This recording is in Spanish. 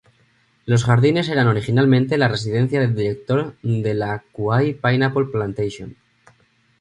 Los jardines eran originalmente la residencia del director de la "Kauai Pineapple Plantation".